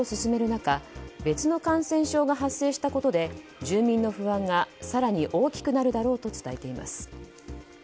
中別の感染症が発生したことで住民の不安が、更に大きくなるだろうと伝えています。